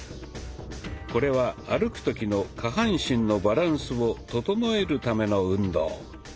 これは歩く時の下半身のバランスを整えるための運動。